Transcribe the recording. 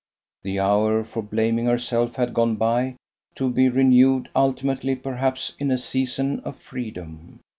The hour for blaming herself had gone by, to be renewed ultimately perhaps in a season of freedom.